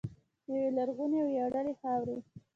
یوې لرغونې او ویاړلې خاورې.